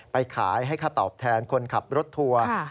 ไปขายให้ค่าตอบแทนคนขับรถทัวร์